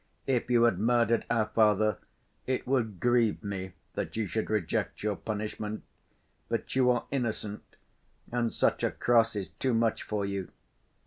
If you had murdered our father, it would grieve me that you should reject your punishment. But you are innocent, and such a cross is too much for you.